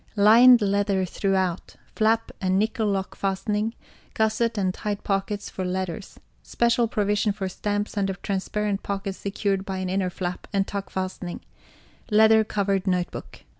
Lined leather throughout, flap and nickel lock fastening, gusset and tight pockets for letters; special provision for stamps under transparent pockets secured by an inner flap, and tuck fastening; leather covered notebook.